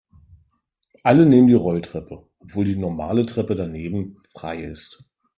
Alle nehmen die Rolltreppe, obwohl die normale Treppe daneben frei ist.